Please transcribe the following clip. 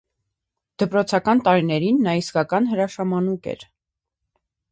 Դպրոցական տարիներին նա իսկական հրաշամանուկ էր։